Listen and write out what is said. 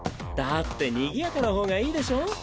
だってにぎやかな方がいいでしょ？